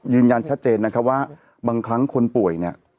ยืนยันชัดเจนนะครับว่าบางครั้งคนป่วยเนี่ย